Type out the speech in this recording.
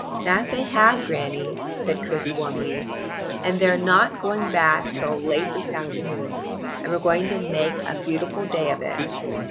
"That they have, Granny," said Chris warmly; "and they're not going back till late this afternoon, and we're going to make a beautiful day of it."